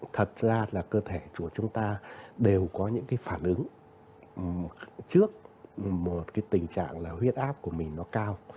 thật ra là cơ thể của chúng ta đều có những cái phản ứng trước một cái tình trạng là huyết áp của mình nó cao